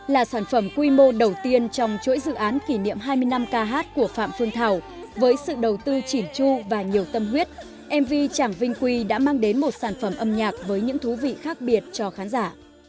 là sản phẩm quy mô đầu tiên trong chuỗi dự án kỷ niệm hai mươi năm kh của phạm phương thảo với sự đầu tư chỉn chu và nhiều tâm huyết mv chàng vinh quy đã mang đến một sản phẩm âm nhạc với những thú vị khác biệt cho khán giả